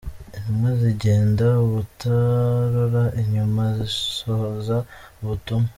Intumwa zigenda ubutarora inyuma zisohoza ubutumwa.